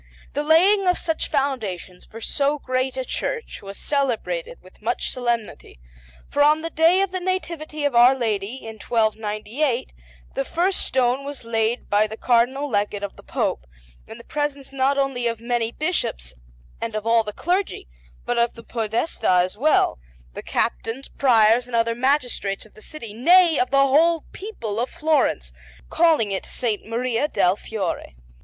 The laying of such foundations for so great a church was celebrated with much solemnity, for on the day of the Nativity of Our Lady, in 1298, the first stone was laid by the Cardinal Legate of the Pope, in the presence not only of many Bishops and of all the clergy, but of the Podestà as well, the Captains, Priors, and other magistrates of the city, nay, of the whole people of Florence, calling it S. Maria del Fiore.